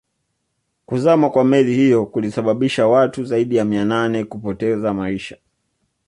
Kuzama kwa meli hiyo kulisababisha watu zaidi ya mia nane kupoteza maisha